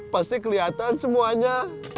pasti kelihatan semuanya